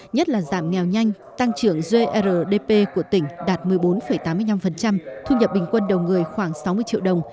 nhất là giảm nghèo nhanh tăng trưởng grdp của tỉnh đạt một mươi bốn tám mươi năm thu nhập bình quân đầu người khoảng sáu mươi triệu đồng